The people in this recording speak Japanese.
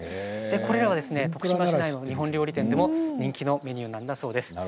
これは徳島市内の日本料理店でも人気のメニューなんだそうです。